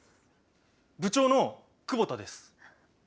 部長の久保田です。